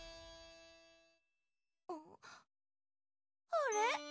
あれ？